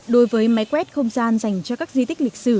đối với máy quét không gian dành cho các di tích lịch sử